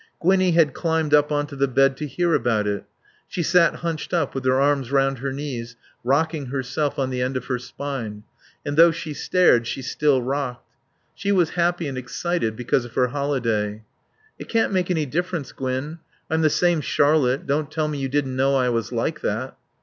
Gwinnie had climbed up on to the bed to hear about it. She sat hunched up with her arms round her knees rocking herself on the end of her spine; and though she stared she still rocked. She was happy and excited because of her holiday. "It can't make any difference, Gwin. I'm the same Charlotte. Don't tell me you didn't know I was like that."